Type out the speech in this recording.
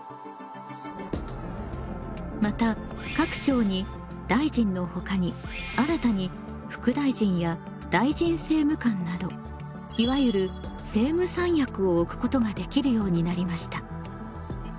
また各省に大臣のほかに新たに副大臣や大臣政務官などいわゆる政務三役を置くことができるようになりました。